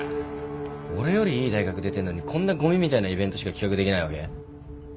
俺よりいい大学出てんのにこんなゴミみたいなイベントしか企画できないわけ？